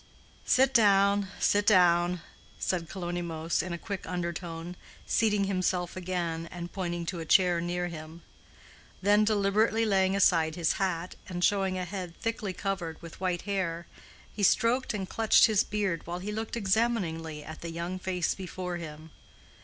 "Sit down, sit down," said Kalonymos, in a quick undertone, seating himself again, and pointing to a chair near him. Then deliberately laying aside his hat and showing a head thickly covered, with white hair, he stroked and clutched his beard while he looked examiningly at the young face before him.